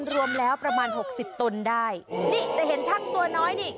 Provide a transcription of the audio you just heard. รวมแล้วประมาณหกสิบตนได้นี่จะเห็นช่างตัวน้อยนี่